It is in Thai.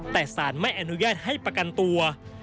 แต่สารไม่อนุญาตให้ประกันตัว